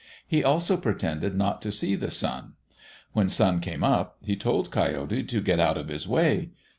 He also pretended not to see the sun. When Sun came up, he told Coyote to get out of his way.